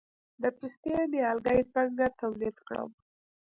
د پستې نیالګي څنګه تولید کړم؟